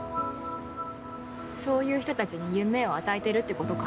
そういう人たちに夢を与えてるってことか。